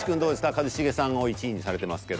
一茂さんを１位にされてますけど。